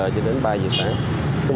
cho đến ba h sáng